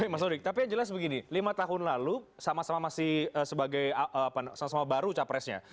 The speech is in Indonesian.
mas odik tapi yang jelas begini lima tahun lalu sama sama masih sebagai sama sama baru capresnya